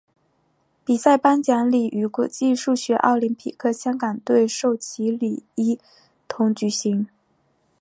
比赛颁奖礼与国际数学奥林匹克香港队授旗礼一同举行。